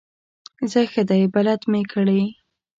ځه ښه دی بلد مې کړې.